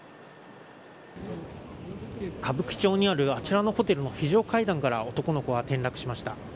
歌舞伎町にあるあちらのホテルの非常階段から男の子は転落しました。